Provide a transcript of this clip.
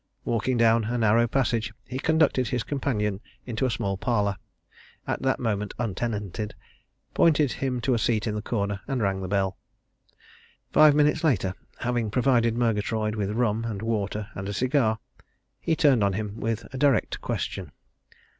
Walking down a narrow passage he conducted his companion into a small parlour, at that moment untenanted, pointed him to a seat in the corner, and rang the bell. Five minutes later, having provided Murgatroyd with rum and water and a cigar, he turned on him with a direct question.